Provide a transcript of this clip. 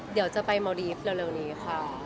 เดี๋ยวจะไปเมาดีฟเร็วนี้ค่ะ